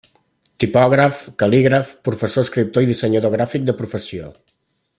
Tipògraf, cal·lígraf, professor, escriptor i dissenyador gràfic de professió.